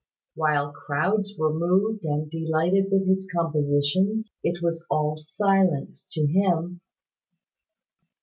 While crowds were moved and delighted with his compositions, it was all silence to him."